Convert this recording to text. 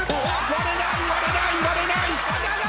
割れない割れない割れない！